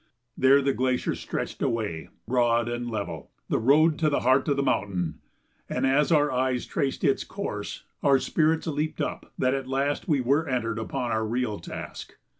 There the glacier stretched away, broad and level the road to the heart of the mountain, and as our eyes traced its course our spirits leaped up that at last we were entered upon our real task.